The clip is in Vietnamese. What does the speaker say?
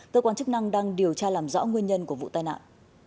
cơ quan chức năng đang điều tra làm rõ nguyên nhân của vụ tai nạn